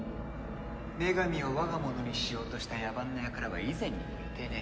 女神を我が物にしようとした野蛮な輩は以前にもいてね。